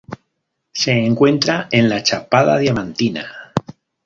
Se encuentra en la Chapada Diamantina.